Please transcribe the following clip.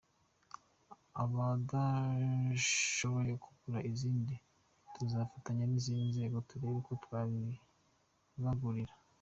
Abadashoboye kugura izindi tuzafatanya n’izindi nzego turebe uko twazibagurira.